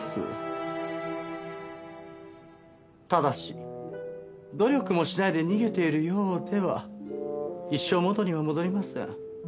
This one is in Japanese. ただし努力もしないで逃げているようでは一生元には戻りません。